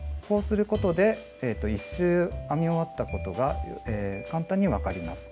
こうすることで１周編み終わったことが簡単に分かります。